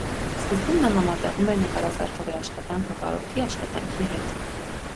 Սկզբում նա համատեղում էր նկարազարդողի աշխատանքը վարորդի աշխատանքի հետ։